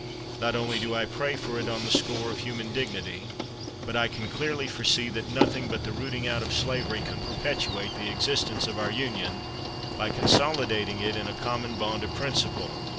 Not only do I pray for it on the score of human dignity, but I can clearly foresee that nothing but the rooting out of slavery can perpetuate the existence of our Union, by consolidating it in a common bond of principle.'"